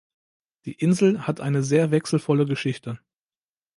Die Insel hat eine sehr wechselvolle Geschichte.